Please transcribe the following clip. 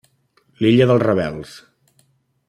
L'illa dels rebels.